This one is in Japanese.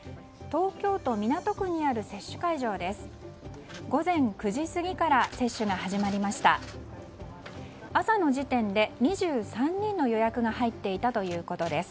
東京都港区にある接種会場です。